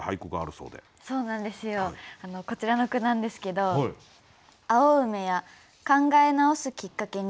そうなんですよこちらの句なんですけど「青梅や考え直すきっかけに」。